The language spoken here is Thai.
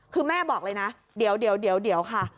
คือแม่บอกเลยนะเดี๋ยวค่ะ